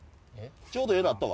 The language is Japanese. ちょうどええのあったわ。